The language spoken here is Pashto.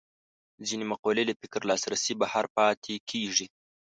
ځینې مقولې له فکر لاسرسي بهر پاتې کېږي